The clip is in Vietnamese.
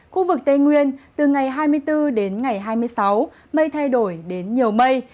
khu vực tây nguyên từ ngày hai mươi bốn đến ngày hai mươi sáu mây thay đổi đến nhiều mây